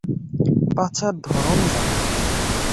বাঁচার ধরণ জানবো।